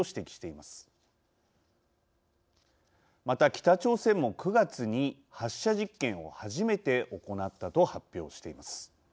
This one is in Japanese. また、北朝鮮も９月に発射実験を初めて行ったと発表しています。